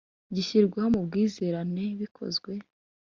Gishyirwaho mu bwizerane bikozwe